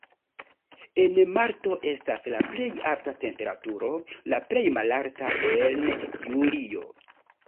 En marto estas la plej alta temperaturo, la plej malalta en julio.